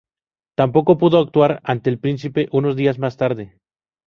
Tampoco pudo actuar ante el Príncipe unos días más tarde.